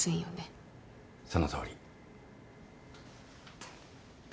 そのとおり。